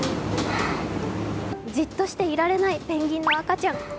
じっとしていられないペンギンの赤ちゃん。